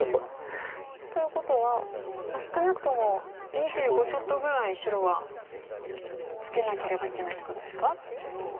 ということは少なくとも２５ちょっとぐらい白はつけなければいけないっていうことですか中央。